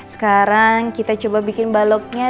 sekarang kita coba bikin baloknya